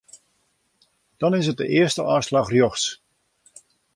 Dan is it de earste ôfslach rjochts.